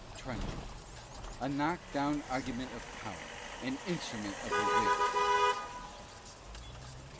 Truncheon. A knock down argument of power, an instrument of the Whigs.